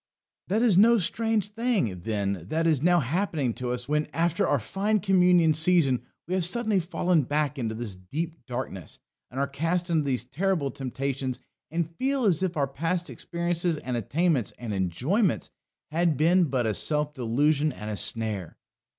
That is no strange thing, then, that is now happening to us, when, after our fine communion season, we have suddenly fallen back into this deep darkness, and are cast into these terrible temptations, and feel as if all our past experiences and attainments and enjoyments had been but a self delusion and a snare.